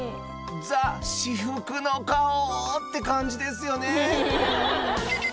ザ至福の顔って感じですよね